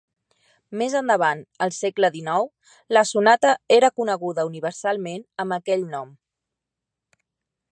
Més endavant al segle XIX, la sonata era coneguda universalment amb aquell nom.